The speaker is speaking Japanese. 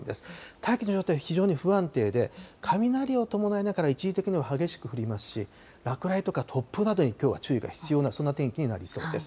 大気の状態、非常に不安定で、雷を伴いながら、一時的には激しく降りますし、落雷とか突風などに、きょうは注意が必要な、そんな天気になりそうです。